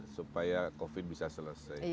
supaya covid bisa selesai